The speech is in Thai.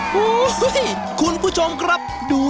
ผมรู้แล้วแหละครับว่า